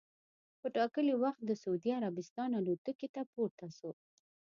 په ټا کلي وخت د سعودي عربستان الوتکې ته پورته سو.